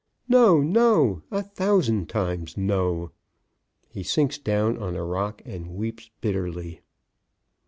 NO, NO ... A THOUSAND TIMES, NO!" He sinks down on a rock and weeps bitterly.